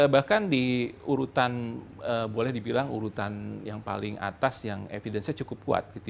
bahkan di urutan boleh dibilang urutan yang paling atas yang evidence nya cukup kuat